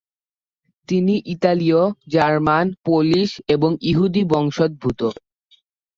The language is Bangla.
তিনি ইতালীয়, জার্মান, পোলিশ এবং ইহুদি বংশোদ্ভূত।